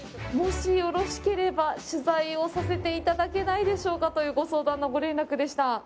もしよろしければ取材をさせていただけないでしょうかというご相談のご連絡でした。